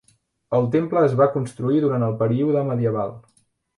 El temple es va construir durant el període medieval.